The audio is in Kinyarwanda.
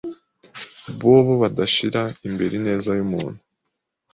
bobo badashira imbere ineza y'umuntu